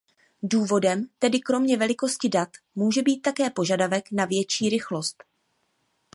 Důvodem tedy kromě velikosti dat může být také požadavek na větší rychlost.